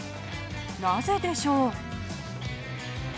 なぜでしょう？